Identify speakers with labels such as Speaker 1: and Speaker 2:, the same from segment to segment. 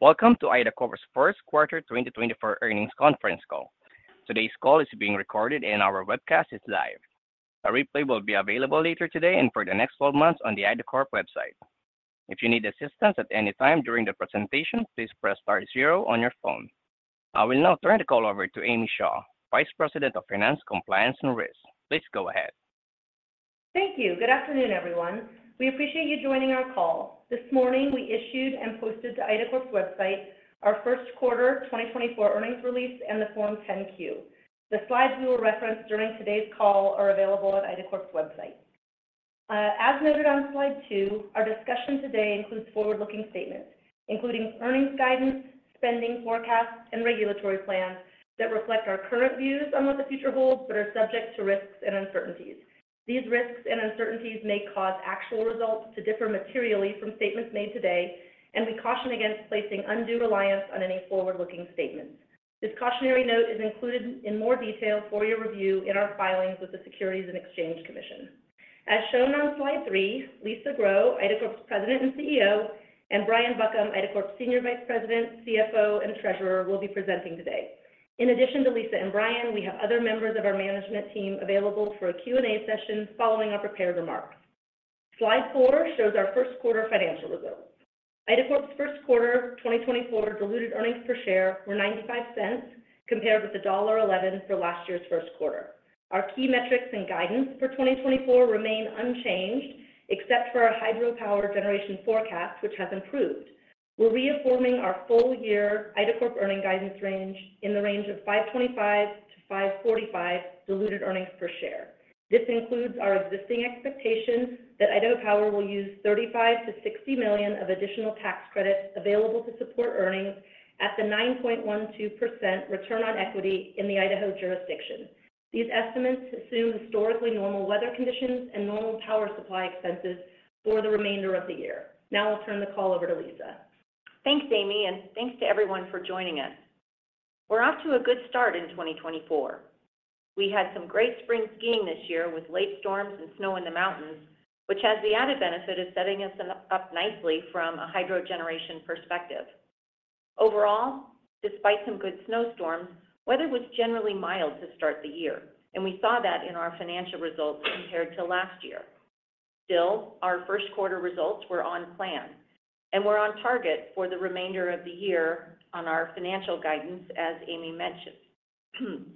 Speaker 1: Welcome to IDACORP's First Quarter 2024 Earnings Conference Call. Today's call is being recorded and our webcast is live. A replay will be available later today and for the next 12 months on the IDACORP website. If you need assistance at any time during the presentation, please press star 0 on your phone. I will now turn the call over to Amy Shaw, Vice President of Finance, Compliance, and Risk. Please go ahead.
Speaker 2: Thank you. Good afternoon, everyone. We appreciate you joining our call. This morning we issued and posted to IDACORP's website our first quarter 2024 earnings release and the Form 10-Q. The slides we will reference during today's call are available at IDACORP's website. As noted on slide 2, our discussion today includes forward-looking statements, including earnings guidance, spending forecasts, and regulatory plans that reflect our current views on what the future holds but are subject to risks and uncertainties. These risks and uncertainties may cause actual results to differ materially from statements made today, and we caution against placing undue reliance on any forward-looking statements. This cautionary note is included in more detail for your review in our filings with the Securities and Exchange Commission. As shown on slide 3, Lisa Grow, IDACORP's President and CEO, and Brian Buckham, IDACORP's Senior Vice President, CFO, and Treasurer, will be presenting today. In addition to Lisa and Brian, we have other members of our management team available for a Q&A session following our prepared remarks. Slide 4 shows our first quarter financial results. IDACORP's first quarter 2024 diluted earnings per share were $0.95 compared with $1.11 for last year's first quarter. Our key metrics and guidance for 2024 remain unchanged, except for our hydropower generation forecast, which has improved. We're reaffirming our full-year IDACORP earnings guidance range in the range of $5.25-$5.45 diluted earnings per share. This includes our existing expectation that Idaho Power will use $35 million-$60 million of additional tax credits available to support earnings at the 9.12% return on equity in the Idaho jurisdiction. These estimates assume historically normal weather conditions and normal power supply expenses for the remainder of the year. Now I'll turn the call over to Lisa.
Speaker 3: Thanks, Amy, and thanks to everyone for joining us. We're off to a good start in 2024. We had some great spring skiing this year with late storms and snow in the mountains, which has the added benefit of setting us up nicely from a hydrogeneration perspective. Overall, despite some good snowstorms, weather was generally mild to start the year, and we saw that in our financial results compared to last year. Still, our first quarter results were on plan, and we're on target for the remainder of the year on our financial guidance, as Amy mentioned.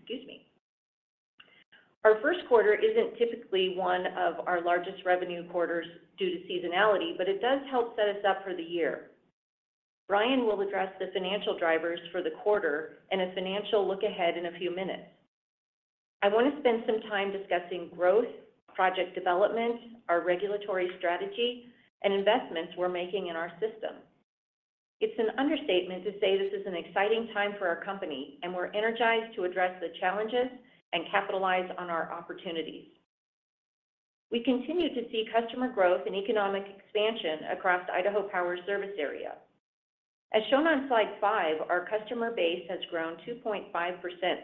Speaker 3: Excuse me. Our first quarter isn't typically one of our largest revenue quarters due to seasonality, but it does help set us up for the year. Brian will address the financial drivers for the quarter and a financial look ahead in a few minutes. I want to spend some time discussing growth, project development, our regulatory strategy, and investments we're making in our system. It's an understatement to say this is an exciting time for our company, and we're energized to address the challenges and capitalize on our opportunities. We continue to see customer growth and economic expansion across Idaho Power's service area. As shown on slide 5, our customer base has grown 2.5%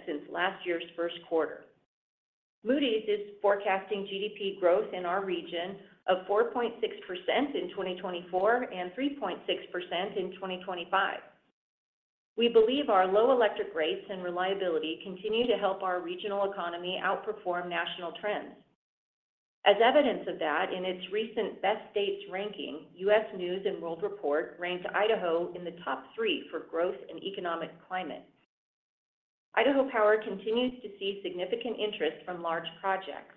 Speaker 3: since last year's first quarter. Moody's is forecasting GDP growth in our region of 4.6% in 2024 and 3.6% in 2025. We believe our low electric rates and reliability continue to help our regional economy outperform national trends. As evidence of that, in its recent Best States ranking, U.S. News & World Report ranked Idaho in the Top 3 for growth and economic climate. Idaho Power continues to see significant interest from large projects.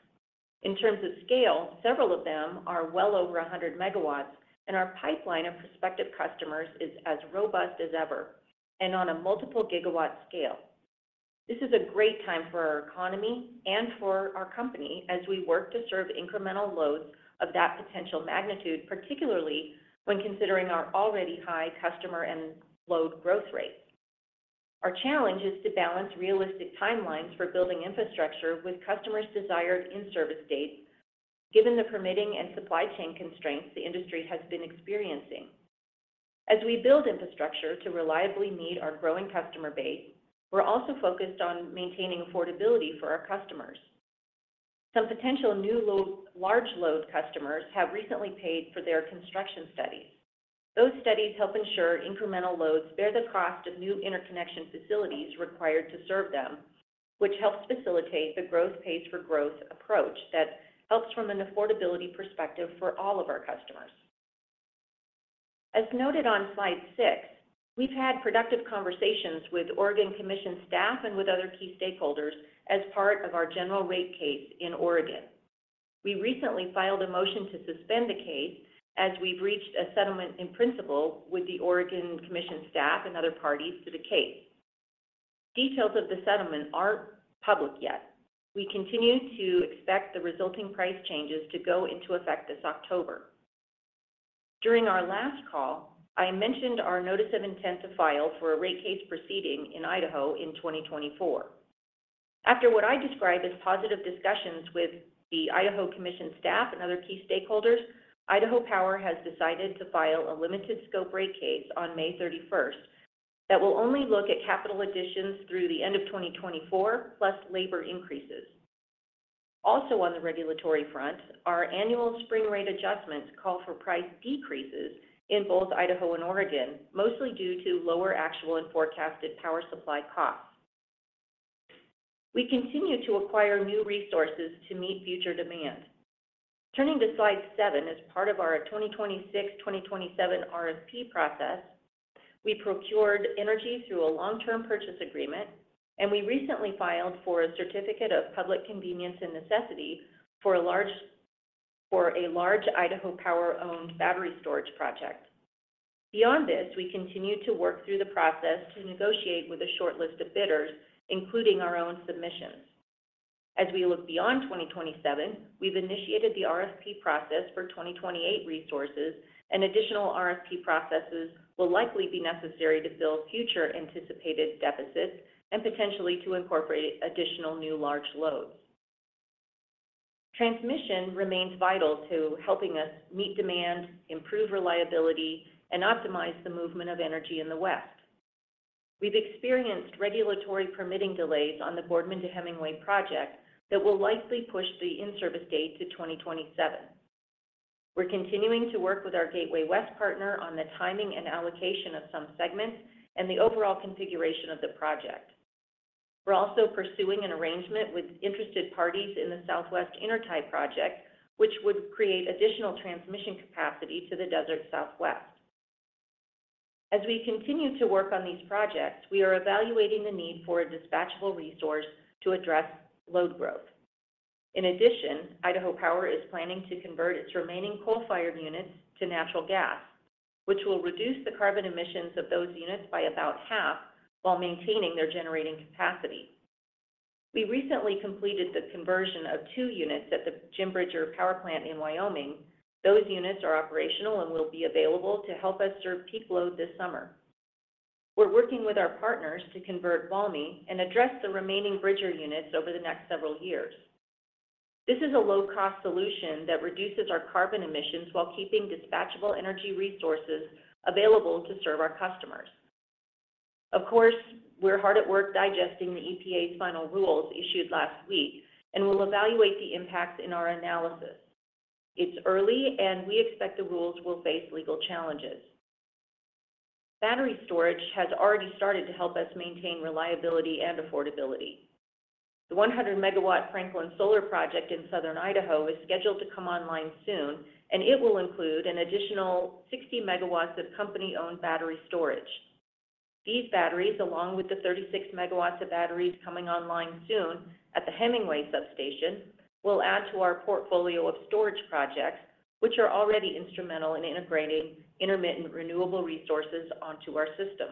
Speaker 3: In terms of scale, several of them are well over 100 MW, and our pipeline of prospective customers is as robust as ever and on a multiple gigawatt scale. This is a great time for our economy and for our company as we work to serve incremental loads of that potential magnitude, particularly when considering our already high customer and load growth rates. Our challenge is to balance realistic timelines for building infrastructure with customers' desired in-service dates, given the permitting and supply chain constraints the industry has been experiencing. As we build infrastructure to reliably meet our growing customer base, we're also focused on maintaining affordability for our customers. Some potential new large load customers have recently paid for their construction studies. Those studies help ensure incremental loads bear the cost of new interconnection facilities required to serve them, which helps facilitate the growth pays for growth approach that helps from an affordability perspective for all of our customers. As noted on slide 6, we've had productive conversations with Oregon Commission staff and with other key stakeholders as part of our general rate case in Oregon. We recently filed a motion to suspend the case as we've reached a settlement in principle with the Oregon Commission staff and other parties to the case. Details of the settlement aren't public yet. We continue to expect the resulting price changes to go into effect this October. During our last call, I mentioned our notice of intent to file for a rate case proceeding in Idaho in 2024. After what I describe as positive discussions with the Idaho Commission staff and other key stakeholders, Idaho Power has decided to file a limited scope rate case on May 31st that will only look at capital additions through the end of 2024 plus labor increases. Also on the regulatory front, our annual spring rate adjustments call for price decreases in both Idaho and Oregon, mostly due to lower actual and forecasted power supply costs. We continue to acquire new resources to meet future demand. Turning to slide 7, as part of our 2026-2027 RFP process, we procured energy through a long-term purchase agreement, and we recently filed for a certificate of public convenience and necessity for a large Idaho Power-owned battery storage project. Beyond this, we continue to work through the process to negotiate with a short list of bidders, including our own submissions. As we look beyond 2027, we've initiated the RFP process for 2028 resources, and additional RFP processes will likely be necessary to fill future anticipated deficits and potentially to incorporate additional new large loads. Transmission remains vital to helping us meet demand, improve reliability, and optimize the movement of energy in the West. We've experienced regulatory permitting delays on the Boardman to Hemingway project that will likely push the in-service date to 2027. We're continuing to work with our Gateway West partner on the timing and allocation of some segments and the overall configuration of the project. We're also pursuing an arrangement with interested parties in the Southwest Intertie Project, which would create additional transmission capacity to the desert southwest. As we continue to work on these projects, we are evaluating the need for a dispatchable resource to address load growth. In addition, Idaho Power is planning to convert its remaining coal-fired units to natural gas, which will reduce the carbon emissions of those units by about half while maintaining their generating capacity. We recently completed the conversion of two units at the Jim Bridger Power Plant in Wyoming. Those units are operational and will be available to help us serve peak load this summer. We're working with our partners to convert Valmy and address the remaining Bridger units over the next several years. This is a low-cost solution that reduces our carbon emissions while keeping dispatchable energy resources available to serve our customers. Of course, we're hard at work digesting the EPA's final rules issued last week and will evaluate the impacts in our analysis. It's early, and we expect the rules will face legal challenges. Battery storage has already started to help us maintain reliability and affordability. The 100 MW Franklin Solar project in southern Idaho is scheduled to come online soon, and it will include an additional 60 MW of company-owned battery storage. These batteries, along with the 36 MW of batteries coming online soon at the Hemingway substation, will add to our portfolio of storage projects, which are already instrumental in integrating intermittent renewable resources onto our system.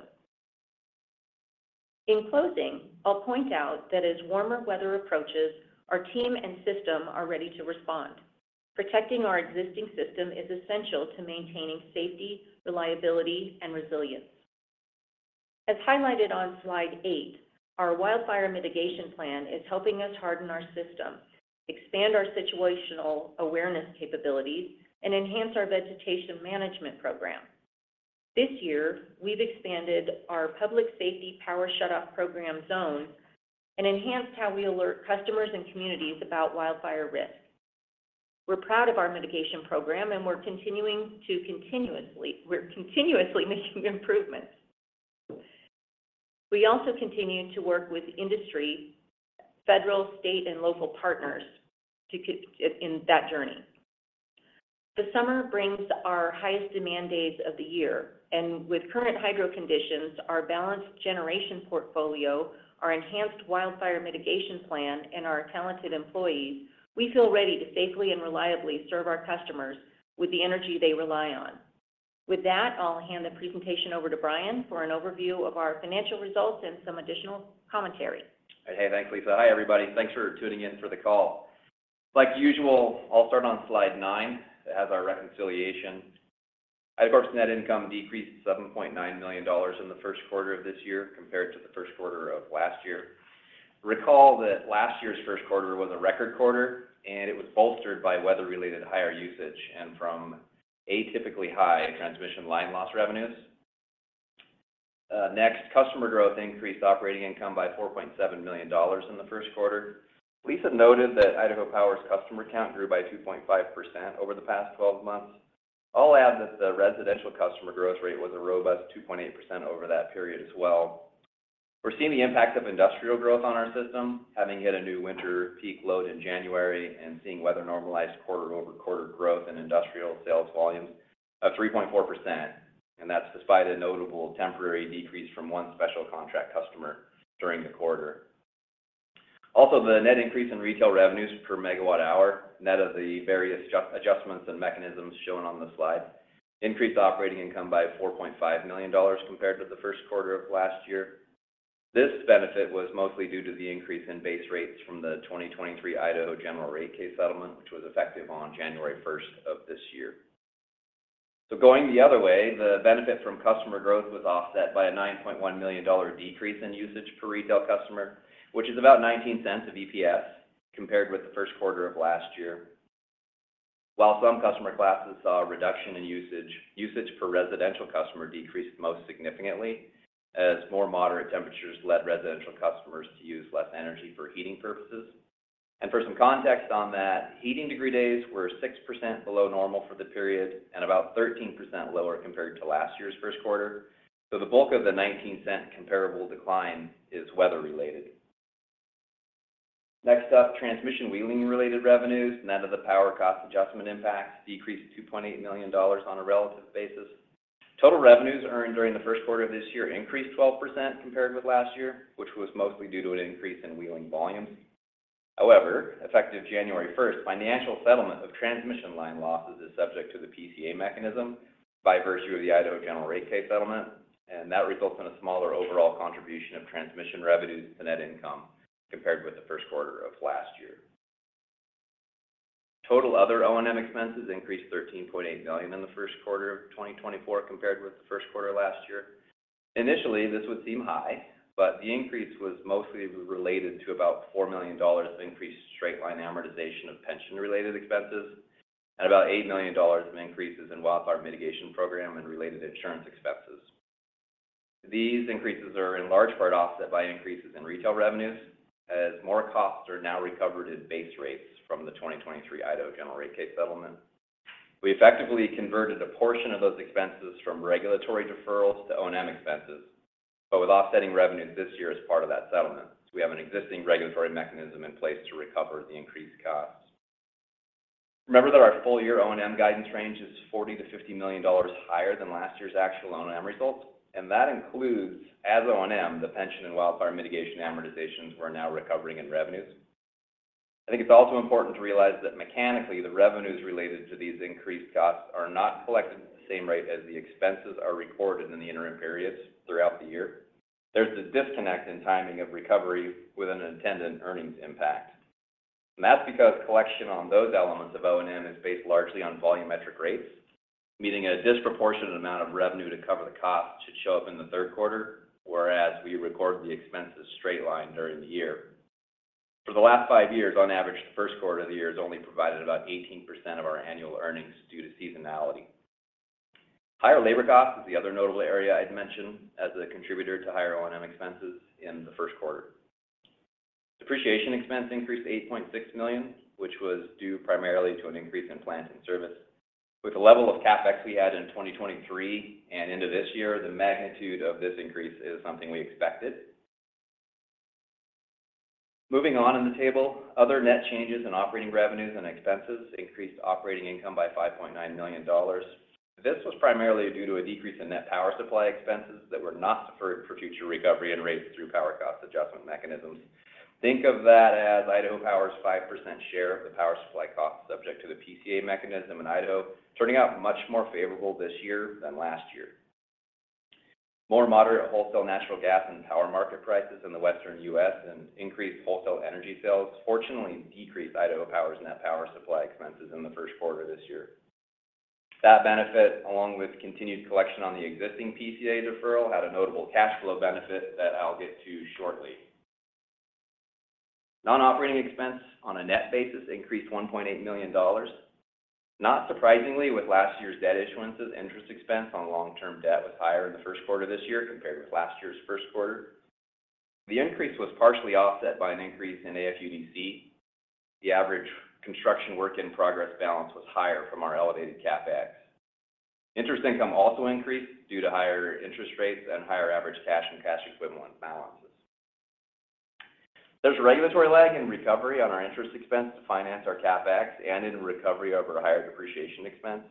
Speaker 3: In closing, I'll point out that as warmer weather approaches, our team and system are ready to respond. Protecting our existing system is essential to maintaining safety, reliability, and resilience. As highlighted on slide eight, our wildfire mitigation plan is helping us harden our system, expand our situational awareness capabilities, and enhance our vegetation management program. This year, we've expanded our public safety power shut-off program zone and enhanced how we alert customers and communities about wildfire risk. We're proud of our mitigation program, and we're continuously making improvements. We also continue to work with industry, federal, state, and local partners in that journey. The summer brings our highest demand days of the year, and with current hydro conditions, our balanced generation portfolio, our enhanced wildfire mitigation plan, and our talented employees, we feel ready to safely and reliably serve our customers with the energy they rely on. With that, I'll hand the presentation over to Brian for an overview of our financial results and some additional commentary.
Speaker 4: Hey, thanks, Lisa. Hi, everybody. Thanks for tuning in for the call. Like usual, I'll start on slide 9 that has our reconciliation. IDACORP's net income decreased $7.9 million in the first quarter of this year compared to the first quarter of last year. Recall that last year's first quarter was a record quarter, and it was bolstered by weather-related higher usage and from atypically high transmission line loss revenues. Next, customer growth increased operating income by $4.7 million in the first quarter. Lisa noted that Idaho Power's customer count grew by 2.5% over the past 12 months. I'll add that the residential customer growth rate was a robust 2.8% over that period as well. We're seeing the impact of industrial growth on our system, having hit a new winter peak load in January and seeing weather-normalized quarter-over-quarter growth in industrial sales volumes of 3.4%. That's despite a notable temporary decrease from one special contract customer during the quarter. Also, the net increase in retail revenues per megawatt hour, net of the various adjustments and mechanisms shown on the slide, increased operating income by $4.5 million compared to the first quarter of last year. This benefit was mostly due to the increase in base rates from the 2023 Idaho General Rate Case settlement, which was effective on January 1st of this year. So going the other way, the benefit from customer growth was offset by a $9.1 million decrease in usage per retail customer, which is about $0.19 of EPS compared with the first quarter of last year. While some customer classes saw a reduction in usage, usage per residential customer decreased most significantly as more moderate temperatures led residential customers to use less energy for heating purposes. For some context on that, heating degree days were 6% below normal for the period and about 13% lower compared to last year's first quarter. So the bulk of the $0.19 comparable decline is weather-related. Next up, transmission wheeling-related revenues, net of the power cost adjustment impacts, decreased $2.8 million on a relative basis. Total revenues earned during the first quarter of this year increased 12% compared with last year, which was mostly due to an increase in wheeling volumes. However, effective January 1st, financial settlement of transmission line losses is subject to the PCA mechanism by virtue of the Idaho General Rate Case settlement, and that results in a smaller overall contribution of transmission revenues to net income compared with the first quarter of last year. Total other O&M expenses increased $13.8 million in the first quarter of 2024 compared with the first quarter last year. Initially, this would seem high, but the increase was mostly related to about $4 million of increased straight-line amortization of pension-related expenses and about $8 million of increases in wildfire mitigation program and related insurance expenses. These increases are in large part offset by increases in retail revenues as more costs are now recovered at base rates from the 2023 Idaho General Rate Case settlement. We effectively converted a portion of those expenses from regulatory deferrals to O&M expenses, but with offsetting revenues this year as part of that settlement. So we have an existing regulatory mechanism in place to recover the increased costs. Remember that our full-year O&M guidance range is $40 million-$50 million higher than last year's actual O&M results, and that includes, as O&M, the pension and wildfire mitigation amortizations we're now recovering in revenues. I think it's also important to realize that mechanically, the revenues related to these increased costs are not collected at the same rate as the expenses are recorded in the interim periods throughout the year. There's the disconnect in timing of recovery with an attendant earnings impact. And that's because collection on those elements of O&M is based largely on volumetric rates. Meaning a disproportionate amount of revenue to cover the costs should show up in the third quarter, whereas we record the expenses straight-line during the year. For the last five years, on average, the first quarter of the year has only provided about 18% of our annual earnings due to seasonality. Higher labor costs is the other notable area I'd mention as a contributor to higher O&M expenses in the first quarter. Depreciation expense increased $8.6 million, which was due primarily to an increase in plant and service. With the level of CapEx we had in 2023 and into this year, the magnitude of this increase is something we expected. Moving on in the table, other net changes in operating revenues and expenses increased operating income by $5.9 million. This was primarily due to a decrease in net power supply expenses that were not deferred for future recovery and rates through power cost adjustment mechanisms. Think of that as Idaho Power's 5% share of the power supply costs subject to the PCA mechanism in Idaho turning out much more favorable this year than last year. More moderate wholesale natural gas and power market prices in the Western U.S. and increased wholesale energy sales, fortunately, decreased Idaho Power's net power supply expenses in the first quarter this year. That benefit, along with continued collection on the existing PCA deferral, had a notable cash flow benefit that I'll get to shortly. Non-operating expense on a net basis increased $1.8 million. Not surprisingly, with last year's debt issuances, interest expense on long-term debt was higher in the first quarter this year compared with last year's first quarter. The increase was partially offset by an increase in AFUDC. The average construction work-in-progress balance was higher from our elevated CapEx. Interest income also increased due to higher interest rates and higher average cash and cash equivalent balances. There's a regulatory lag in recovery on our interest expense to finance our CapEx and in recovery of our higher depreciation expense.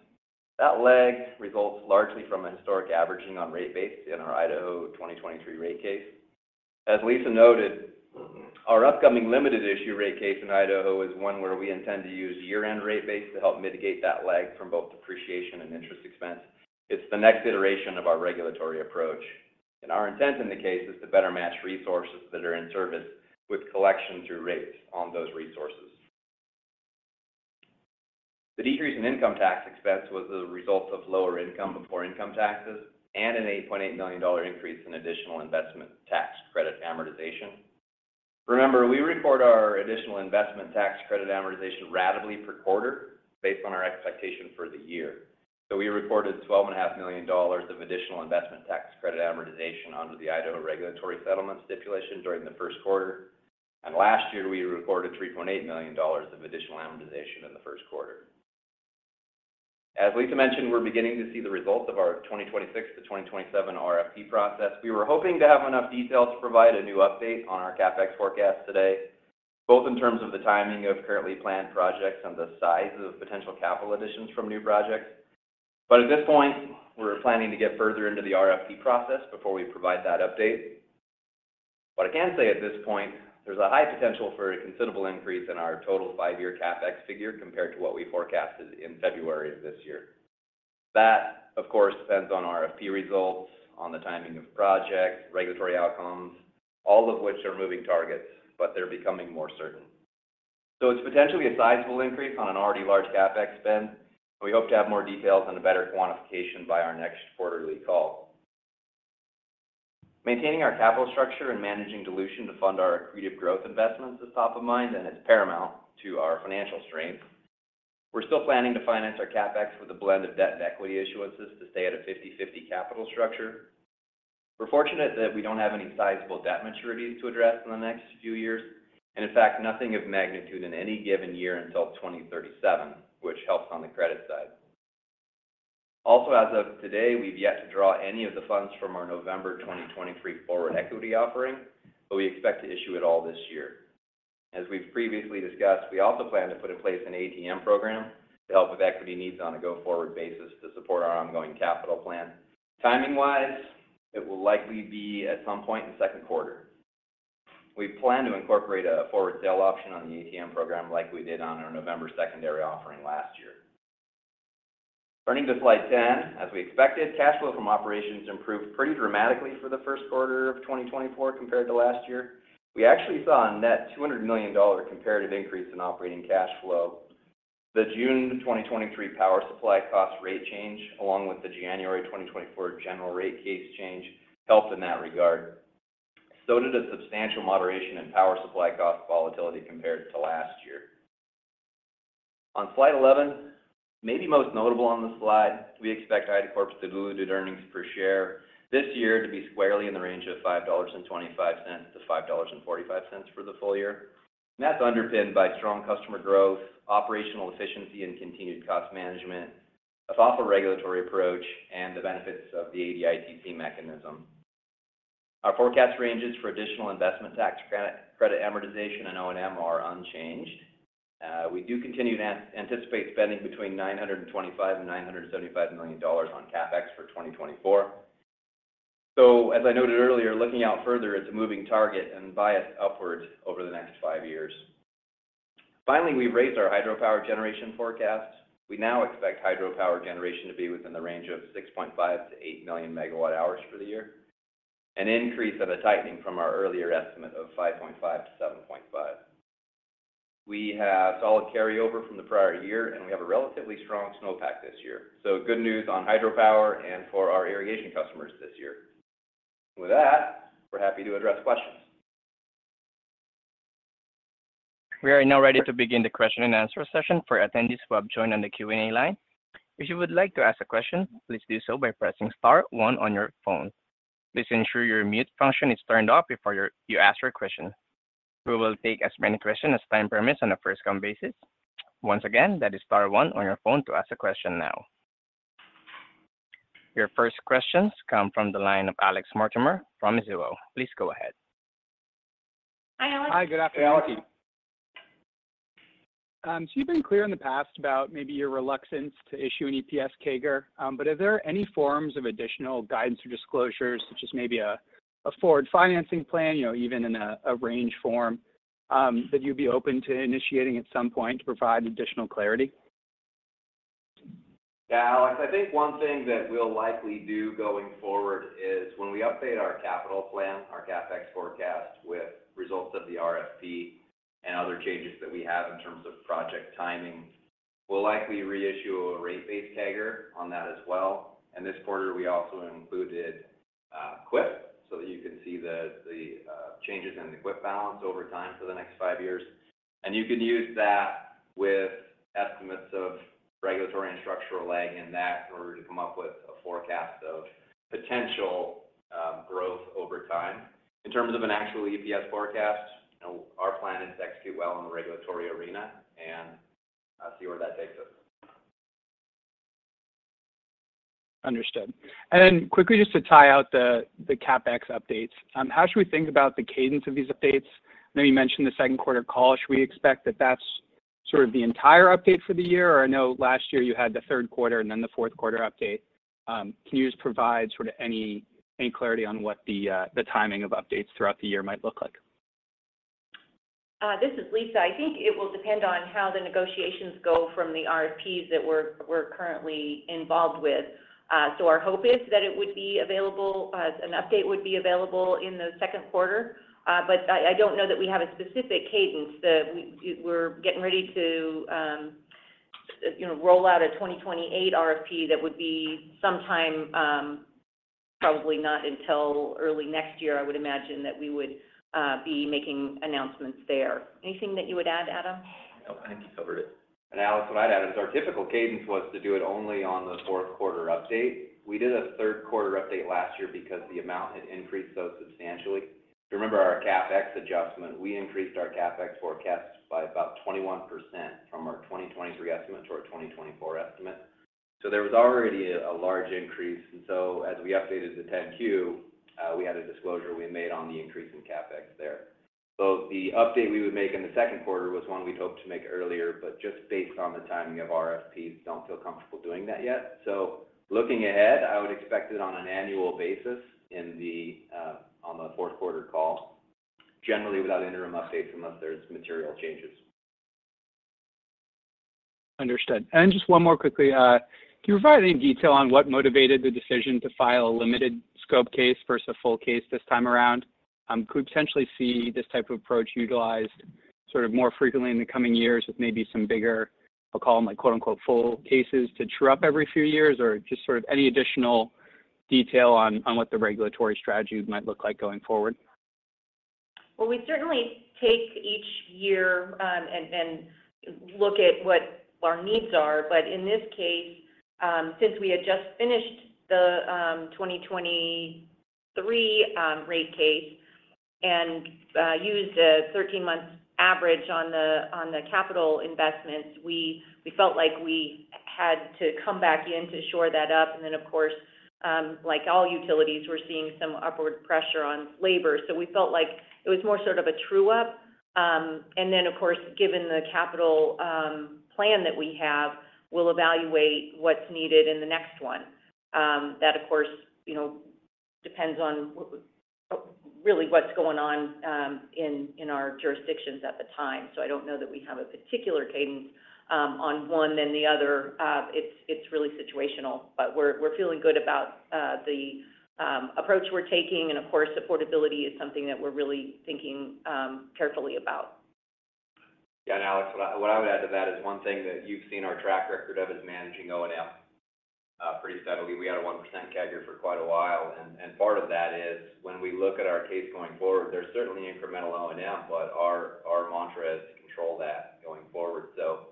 Speaker 4: That lag results largely from a historic averaging on rate base in our Idaho 2023 rate case. As Lisa noted, our upcoming limited issue rate case in Idaho is one where we intend to use year-end rate base to help mitigate that lag from both depreciation and interest expense. It's the next iteration of our regulatory approach. Our intent in the case is to better match resources that are in service with collection through rates on those resources. The decrease in income tax expense was the result of lower income before income taxes and an $8.8 million increase in additional investment tax credit amortization. Remember, we record our additional investment tax credit amortization rapidly per quarter based on our expectation for the year. We recorded $12.5 million of additional investment tax credit amortization under the Idaho regulatory settlement stipulation during the first quarter. Last year, we recorded $3.8 million of additional amortization in the first quarter. As Lisa mentioned, we're beginning to see the results of our 2026 to 2027 RFP process. We were hoping to have enough detail to provide a new update on our CapEx forecast today, both in terms of the timing of currently planned projects and the size of potential capital additions from new projects. But at this point, we're planning to get further into the RFP process before we provide that update. What I can say at this point, there's a high potential for a considerable increase in our total five-year CapEx figure compared to what we forecasted in February of this year. That, of course, depends on RFP results, on the timing of projects, regulatory outcomes, all of which are moving targets, but they're becoming more certain. So it's potentially a sizable increase on an already large CapEx spend. We hope to have more details and a better quantification by our next quarterly call. Maintaining our capital structure and managing dilution to fund our accretive growth investments is top of mind, and it's paramount to our financial strength. We're still planning to finance our CapEx with a blend of debt and equity issuances to stay at a 50/50 capital structure. We're fortunate that we don't have any sizable debt maturities to address in the next few years, and in fact, nothing of magnitude in any given year until 2037, which helps on the credit side. Also, as of today, we've yet to draw any of the funds from our November 2023 Forward Equity Offering, but we expect to issue it all this year. As we've previously discussed, we also plan to put in place an ATM program to help with equity needs on a go-forward basis to support our ongoing capital plan. Timing-wise, it will likely be at some point in second quarter. We plan to incorporate a forward sale option on the ATM program like we did on our November secondary offering last year. Turning to slide 10, as we expected, cash flow from operations improved pretty dramatically for the first quarter of 2024 compared to last year. We actually saw a net $200 million comparative increase in operating cash flow. The June 2023 power supply cost rate change, along with the January 2024 General Rate Case change, helped in that regard. So did a substantial moderation in power supply cost volatility compared to last year. On slide 11, maybe most notable on the slide, we expect IDACORP's diluted earnings per share this year to be squarely in the range of $5.25-$5.45 for the full year. That's underpinned by strong customer growth, operational efficiency, and continued cost management, a thoughtful regulatory approach, and the benefits of the ADITC mechanism. Our forecast ranges for additional investment tax credit amortization and O&M are unchanged. We do continue to anticipate spending between $925 million-$975 million on CapEx for 2024. So as I noted earlier, looking out further, it's a moving target and biased upwards over the next five years. Finally, we've raised our hydropower generation forecast. We now expect hydropower generation to be within the range of 6.5 million-8 million MWh for the year, an increase and a tightening from our earlier estimate of 5.5 million-7.5 million. We have solid carryover from the prior year, and we have a relatively strong snowpack this year. So good news on hydropower and for our irrigation customers this year. With that, we're happy to address questions.
Speaker 1: We are now ready to begin the question-and-answer session for attendees who have joined on the Q&A line. If you would like to ask a question, please do so by pressing star 1 on your phone. Please ensure your mute function is turned off before you ask your question. We will take as many questions as time permits on a first-come basis. Once again, that is star 1 on your phone to ask a question now. Your first questions come from the line of Alex Mortimer from Mizuho. Please go ahead.
Speaker 3: Hi, Alex.
Speaker 4: Hi, good afternoon, Alex.
Speaker 5: So you've been clear in the past about maybe your reluctance to issue an EPS CAGR, but are there any forms of additional guidance or disclosures, such as maybe a forward financing plan, even in a range form, that you'd be open to initiating at some point to provide additional clarity?
Speaker 4: Yeah, Alex, I think one thing that we'll likely do going forward is when we update our capital plan, our CapEx forecast, with results of the RFP and other changes that we have in terms of project timing, we'll likely reissue a rate base CAGR on that as well. And this quarter, we also included CWIP so that you can see the changes in the CWIP balance over time for the next five years. And you can use that with estimates of regulatory and structural lag in that in order to come up with a forecast of potential growth over time. In terms of an actual EPS forecast, our plan is to execute well in the regulatory arena and see where that takes us.
Speaker 5: Understood. And then quickly, just to tie out the CapEx updates, how should we think about the cadence of these updates? I know you mentioned the second quarter call. Should we expect that that's sort of the entire update for the year? Or I know last year you had the third quarter and then the fourth quarter update. Can you just provide sort of any clarity on what the timing of updates throughout the year might look like?
Speaker 3: This is Lisa. I think it will depend on how the negotiations go from the RFPs that we're currently involved with. So our hope is that it would be available, an update would be available in the second quarter. But I don't know that we have a specific cadence. We're getting ready to roll out a 2028 RFP that would be sometime, probably not until early next year. I would imagine that we would be making announcements there. Anything that you would add, Adam?
Speaker 6: Nope. I think you covered it.
Speaker 4: Alex, what I'd add is our typical cadence was to do it only on the fourth quarter update. We did a third quarter update last year because the amount had increased so substantially. If you remember our CapEx adjustment, we increased our CapEx forecast by about 21% from our 2023 estimate to our 2024 estimate. So there was already a large increase. And so as we updated the 10-Q, we had a disclosure we made on the increase in CapEx there. So the update we would make in the second quarter was one we'd hoped to make earlier, but just based on the timing of RFPs, don't feel comfortable doing that yet. So looking ahead, I would expect it on an annual basis on the fourth quarter call, generally without interim updates unless there's material changes.
Speaker 5: Understood. Just one more quickly, can you provide any detail on what motivated the decision to file a limited scope case versus a full case this time around? Could we potentially see this type of approach utilized sort of more frequently in the coming years with maybe some bigger, I'll call them "full" cases to true up every few years, or just sort of any additional detail on what the regulatory strategy might look like going forward?
Speaker 3: Well, we certainly take each year and look at what our needs are. But in this case, since we had just finished the 2023 rate case and used a 13-month average on the capital investments, we felt like we had to come back in to shore that up. And then, of course, like all utilities, we're seeing some upward pressure on labor. So we felt like it was more sort of a true-up. And then, of course, given the capital plan that we have, we'll evaluate what's needed in the next one. That, of course, depends on really what's going on in our jurisdictions at the time. So I don't know that we have a particular cadence on one than the other. It's really situational. But we're feeling good about the approach we're taking. And of course, affordability is something that we're really thinking carefully about.
Speaker 4: Yeah, and Alex, what I would add to that is one thing that you've seen our track record of is managing O&M pretty steadily. We had a 1% CAGR for quite a while. And part of that is when we look at our case going forward, there's certainly incremental O&M, but our mantra is to control that going forward. So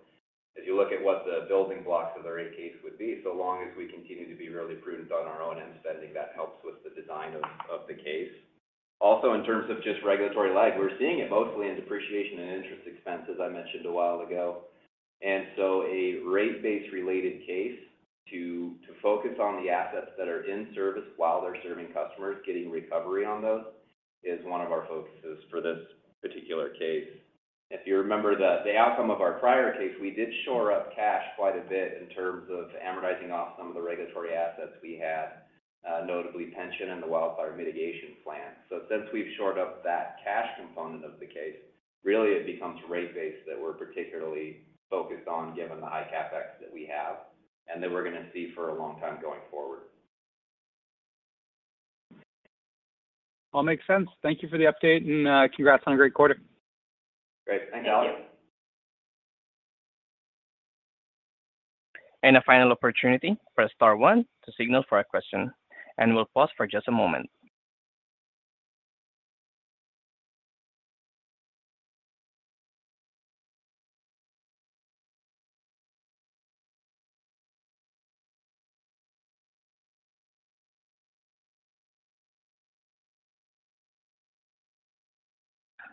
Speaker 4: as you look at what the building blocks of the rate case would be, so long as we continue to be really prudent on our O&M spending, that helps with the design of the case. Also, in terms of just regulatory lag, we're seeing it mostly in depreciation and interest expenses, I mentioned a while ago. And so a rate base-related case to focus on the assets that are in service while they're serving customers, getting recovery on those, is one of our focuses for this particular case. If you remember the outcome of our prior case, we did shore up cash quite a bit in terms of amortizing off some of the regulatory assets we had, notably pension and the wildfire mitigation plan. So since we've shored up that cash component of the case, really, it becomes rate-based that we're particularly focused on given the high CapEx that we have and that we're going to see for a long time going forward.
Speaker 5: All makes sense. Thank you for the update, and congrats on a great quarter.
Speaker 4: Great. Thanks, Alex.
Speaker 3: Thank you.
Speaker 1: A final opportunity for star 1 to signal for a question. We'll pause for just a moment.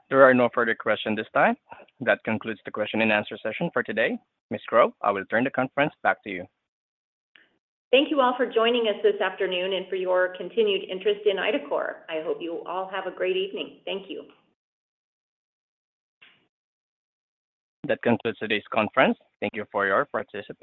Speaker 1: There are no further questions this time. That concludes the question-and-answer session for today. Ms. Grow, I will turn the conference back to you.
Speaker 3: Thank you all for joining us this afternoon and for your continued interest in IDACORP. I hope you all have a great evening. Thank you.
Speaker 1: That concludes today's conference. Thank you for your participation.